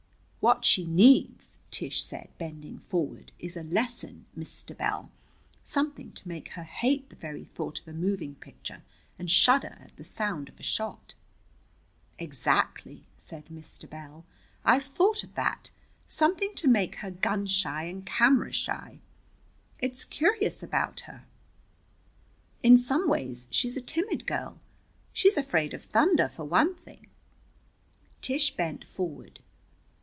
"What she needs," Tish said, bending forward, "is a lesson, Mr. Bell something to make her hate the very thought of a moving picture and shudder at the sound of a shot." "Exactly," said Mr. Bell. "I've thought of that. Something to make her gun shy and camera shy. It's curious about her. In some ways she's a timid girl. She's afraid of thunder, for one thing." Tish bent forward.